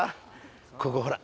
ここ、ほら。